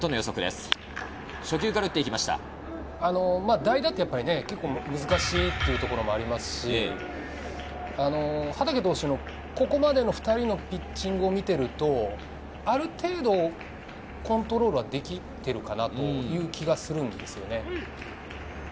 代打だと難しいというところもありますし、畠投手のここまでの２人のピッチングを見ていると、ある程度コントロールはできているかなという気がするんですよね。